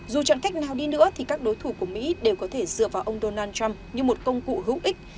dù chọn cách nào đi nữa thì các đối thủ của mỹ đều có thể dựa vào ông donald trump như một công cụ hữu ích